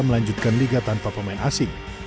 melanjutkan liga tanpa pemain asing